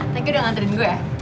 thank you udah ngantriin gue ya